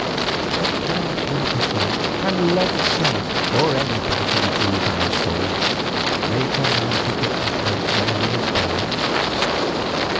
But can gratitude, can love itself, or any passion that rules our souls, make a man forget the house where he was born?